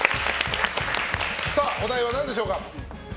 お題は何でしょうか？